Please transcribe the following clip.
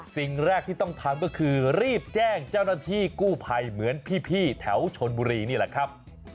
สิ่งแรกที่ต้องทำก็คือรีบแจ้งเจ้าหน้าที่กู้ภัยเหมือนพี่แถวชนบุรีนี่แหละครับ